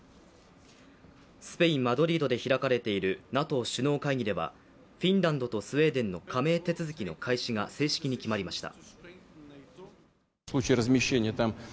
スペイン・マドリードで開かれているＮＡＴＯ首脳会議ではフィンランドとスウェーデンの加盟手続きの開始が正式に決まりました。